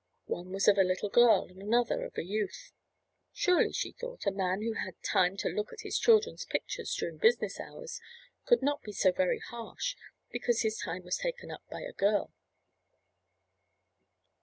One was of a little girl and another of a youth. Surely, she thought, a man who had time to look at his children's pictures during business hours could not be so very harsh because his time was taken up by a girl.